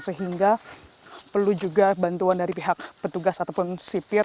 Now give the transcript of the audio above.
sehingga perlu juga bantuan dari pihak petugas ataupun sipir